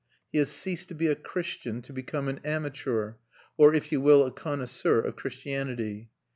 He has ceased to be a Christian to become an amateur, or if you will a connoisseur, of Christianity.